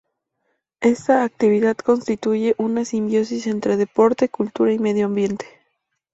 Esta actividad constituye una simbiosis entre deporte, cultura y medio ambiente.